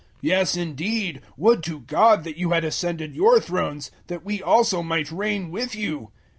Yes indeed, would to God that you had ascended your thrones, that we also might reign with you!